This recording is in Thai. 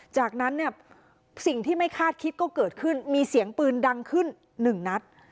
จากนั้นเนี่ยสิ่งที่ไม่คาดคิดก็เกิดขึ้นมีเสียงปืนดังขึ้นหนึ่งนัด